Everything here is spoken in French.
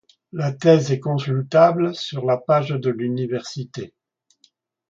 La thèse est consultable sur la page de l'université.